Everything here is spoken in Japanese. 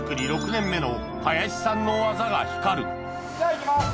６年目の林さんの技が光るじゃあ行きます！